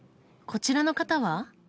こちらの方は？